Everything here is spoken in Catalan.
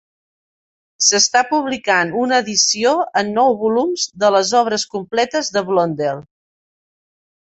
S'està publicant una edició en nou volums de les obres completes de Blondel.